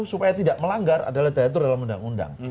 supaya tidak melanggar adalah diatur dalam undang undang